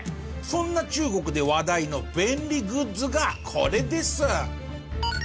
そんな中国で話題の便利グッズがこれです。